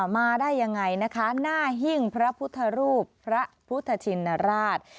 มาได้ยังไงนะคะหน้าหิ้งพระพุทธรูปพระพุทธชินราช